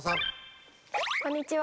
こんにちは。